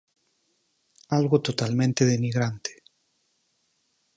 Algo totalmente denigrante.